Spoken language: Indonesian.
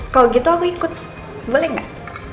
kalau gitu aku ikut boleh nggak